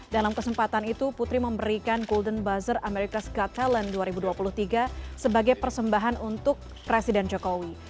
dalam kesempatan itu putri memberikan golden buzzer ⁇ americas ⁇ got talent dua ribu dua puluh tiga sebagai persembahan untuk presiden jokowi